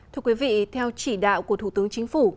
thưa quý vị theo chỉ đạo của thủ tướng chính phủ